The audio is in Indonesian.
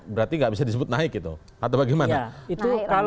berarti nggak bisa disebut naik gitu atau bagaimana